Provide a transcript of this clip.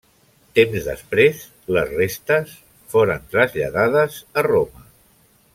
Temps després, les restes foren traslladades a Roma.